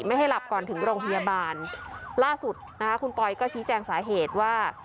ไม่ให้หลับก่อนถึงโรงพยาบาลล่าสุดนะคะคุณปอยก็ชี้แจงสาเหตุว่า